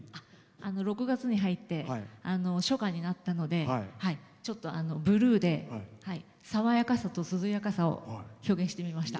６月に入って初夏になったのでブルーで、爽やかさと涼やかさを表現してみました。